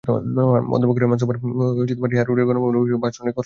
অধ্যাপক রেহমান সোবহান হেয়ার রোডের গণভবনে বসে ভাষণের খসড়া তৈরি করছেন।